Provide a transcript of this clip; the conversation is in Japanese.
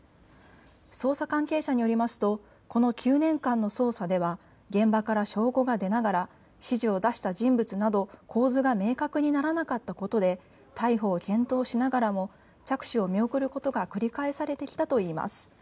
捜査関係者によりますとこの９年間の捜査では現場から証拠が出ながら指示を出した人物など構図が明確にならなかったことで逮捕を検討しながらも着手を見送ることが繰り返されてきたといいます。